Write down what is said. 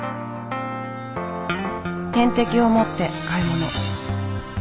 点滴を持って買い物。